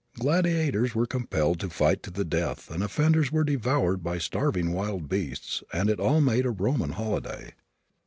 Gladiators were compelled to fight to the death and offenders were devoured by starving wild beasts and it all made a Roman holiday.